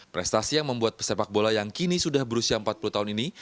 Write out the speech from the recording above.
prestasi yang membuat pesepak bola yang kini sudah berusia empat puluh tahun ini